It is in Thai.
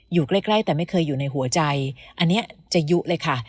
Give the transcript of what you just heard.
อยู่ใกล้แต่ไม่เคยอยู่ในหัวใจอันนี้จะยุเลยค่ะ